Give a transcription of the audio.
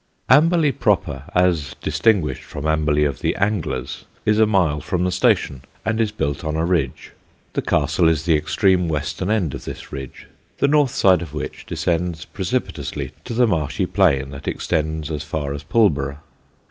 Amberley proper, as distinguished from Amberley of the anglers, is a mile from the station and is built on a ridge. The castle is the extreme western end of this ridge, the north side of which descends precipitously to the marshy plain that extends as far as Pulborough.